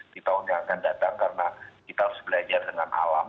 di tahun yang akan datang karena kita harus belajar dengan alam